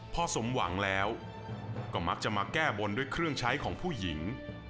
พอสมหวังแล้วก็มักจะมาแก้บนด้วยเครื่องใช้ของผู้หญิง